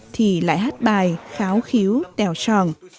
thì lại hát bài kháo khiếu tèo tròn